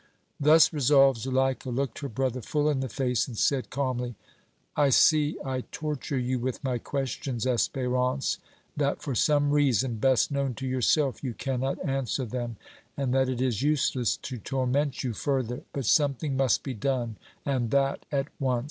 Thus resolved, Zuleika looked her brother full in the face and said, calmly: "I see I torture you with my questions, Espérance, that for some reason best known to yourself you cannot answer them, and that it is useless to torment you further. But something must be done and that at once.